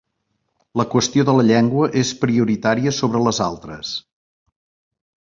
La qüestió de la llengua és prioritària sobre les altres.